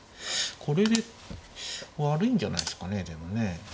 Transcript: これで悪いんじゃないですかねでもね。